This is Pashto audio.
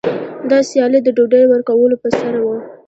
دا سیالي د ډوډۍ ورکولو په سر وه.